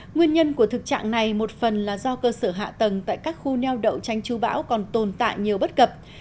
nguyên nhân của thực trạng này một phần là do cơ sở hạ tầng tại các khu neo đậu tranh chú bão còn tồn tại nhiều bất cập